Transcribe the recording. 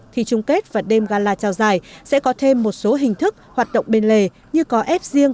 thi trung kết và đêm gala trao giải sẽ có thêm một số hình thức hoạt động bên lề như có ép riêng